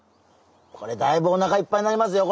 これだいぶおなかいっぱいなりますよ